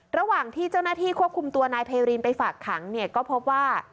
ระหว่างที่เจ้านาธิควบคุมตัวนายเภรินไปฝากขังก็พบว่า